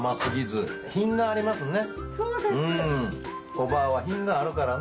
おばあは品があるからね。